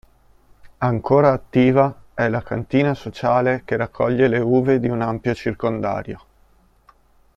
Ancora attiva è la cantina sociale che raccoglie le uve di un ampio circondario.